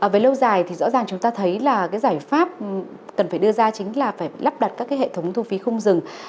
về lâu dài thì rõ ràng chúng ta thấy là cái giải pháp cần phải đưa ra chính là phải lắp đặt các hệ thống thu phí không dừng